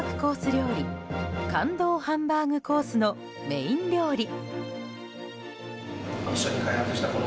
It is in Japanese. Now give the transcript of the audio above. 料理感動ハンバーグコースのメイン料理。